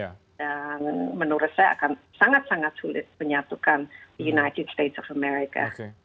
dan menurut saya akan sangat sangat sulit menyatukan united states of america